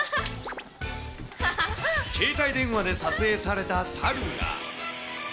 携帯電話で撮影された猿が。